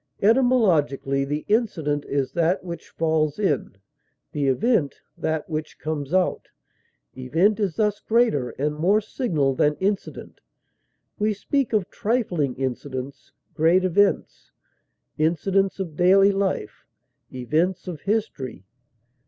Etymologically, the incident is that which falls in, the event that which comes out; event is thus greater and more signal than incident; we speak of trifling incidents, great events; incidents of daily life, events of history.